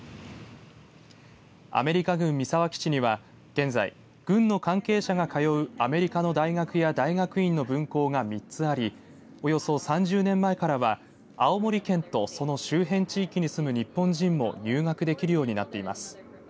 アメリカ軍三沢基地には現在軍の関係者が通うアメリカの大学や大学院の分校が３つありおよそ３０年前からは青森県とその周辺地域に住む日本人も入学できるようになっています。